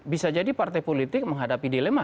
bisa jadi partai politik menghadapi dilema